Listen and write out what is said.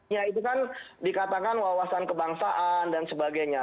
ya itu kan dikatakan wawasan kebangsaan dan sebagainya